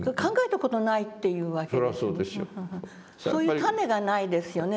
そういう種がないですよね